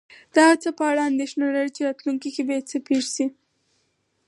د هغه څه په اړه انېښنه لرل چی راتلونکي کې به پیښ شې